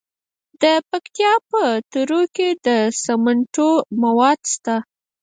د پکتیکا په تروو کې د سمنټو مواد شته.